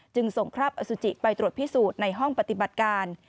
จึงส่งคราบอสุจิไปตรวจพิสูจน์ในห้องปฏิบัติการ